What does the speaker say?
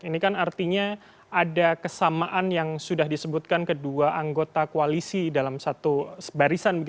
ini kan artinya ada kesamaan yang sudah disebutkan kedua anggota koalisi dalam satu barisan